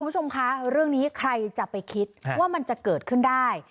คุณผู้ชมคะเรื่องนี้ใครจะไปคิดว่ามันจะเกิดขึ้นได้